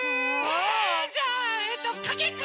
えじゃあえっとかけっこ！